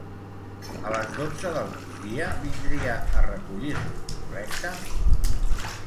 A les dotze del migdia vindria a recollir-lo, correcte?